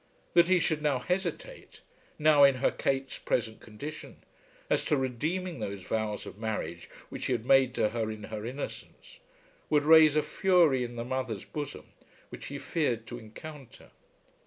That he should now hesitate, now, in her Kate's present condition, as to redeeming those vows of marriage which he had made to her in her innocence, would raise a fury in the mother's bosom which he feared to encounter.